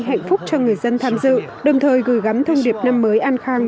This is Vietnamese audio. hạnh phúc cho người dân tham dự đồng thời gửi gắm thông điệp năm mới an khang